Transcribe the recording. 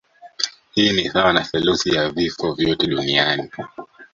Hii ni sawa na theluthi ya vifo vyote duniani